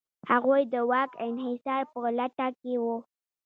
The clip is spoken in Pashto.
هغوی د واک انحصار په لټه کې و.